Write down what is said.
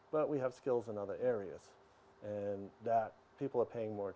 dan tidak semua kita adalah pengembara it